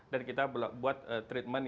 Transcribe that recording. dan kita buat treatment